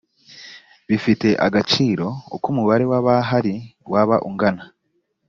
bifite agaciro uko umubare w abahari waba ungana